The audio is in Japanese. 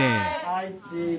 はいチーズ。